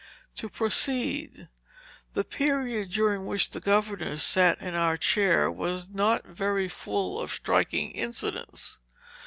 To proceed. The period during which the governors sat in our chair, was not very full of striking incidents.